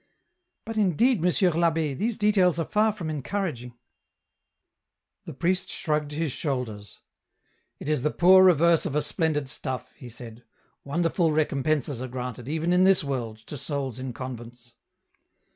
" But indeed, Monsieur I'abb^, these details are far from encouraging." The priest shrugged his shoulders. " It is the poor reverse of a splendid stuff," he said, " wonderfu recom EN ROUTE. 97 penses are granted, even in this world, to souls in con vents."